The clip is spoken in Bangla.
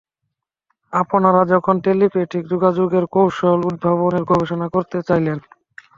আপনারা যখন টেলিপ্যাথিক যোগাযোগের কৌশল উদ্ভাবনের গবেষণা করতে চাইলেন।